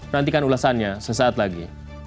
nantikan ulasannya sesaat lagi